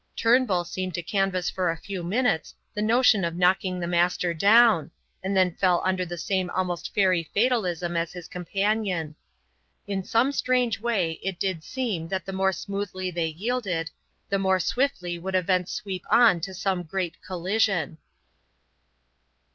Turnbull seemed to canvass for a few minutes the notion of knocking the Master down, and then fell under the same almost fairy fatalism as his companion. In some strange way it did seem that the more smoothly they yielded, the more swiftly would events sweep on to some great collision.